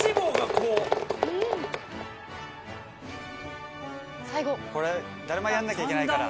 これダルマやんなきゃいけないから。